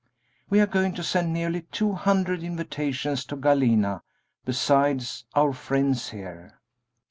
We are going to send nearly two hundred invitations to Galena, besides our friends here.